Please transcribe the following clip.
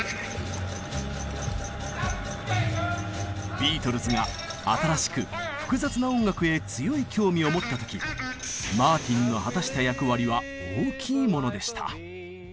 ビートルズが新しく複雑な音楽へ強い興味を持った時マーティンの果たした役割は大きいものでした。